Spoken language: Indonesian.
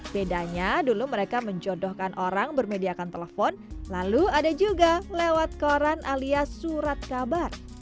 bedanya dulu mereka menjodohkan orang bermediakan telepon lalu ada juga lewat koran alias surat kabar